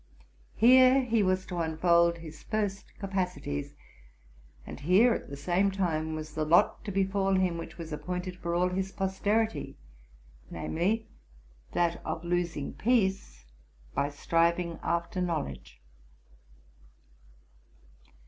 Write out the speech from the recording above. Here he was to unfold his first capacities, and here at the same time was the lot to befall him, which was appointed for all his posterity ; namely, that of losing peace by striving after knowledge.